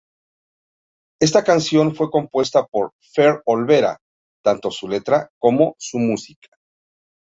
Esta canción fue compuesta por Fher Olvera, tanto su letra como su música.